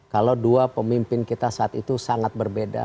kalau dua pemimpin kita saat itu sangat berbeda